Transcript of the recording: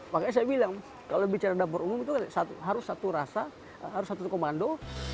makanya saya bilang kalau bicara dapur umum itu harus satu rasa harus satu komando